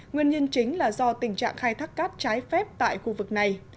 nguyên nhân chính là do tình trạng khai thác cát trái phép tại khu vực này